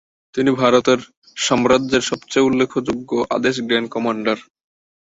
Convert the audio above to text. তিনি ভারতের সাম্রাজ্যের সবচেয়ে উল্লেখযোগ্য আদেশ গ্র্যান্ড কমান্ডার।